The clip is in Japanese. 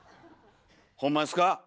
ホンマですか？